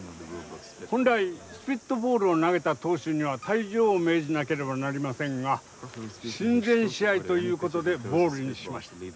本来スピットボールを投げた投手には退場を命じなければなりませんが親善試合ということでボールにしました。